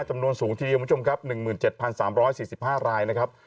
จำนวนสูงทีเดียวคุณผู้ชมครับ๑๗๓๔๕รายนะครับ